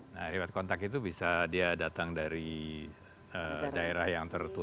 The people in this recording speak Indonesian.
nah rewet kontak itu bisa dia datang dari daerah yang tertular